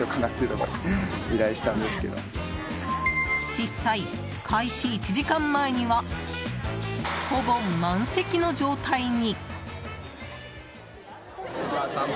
実際、開始１時間前にはほぼ満席の状態に。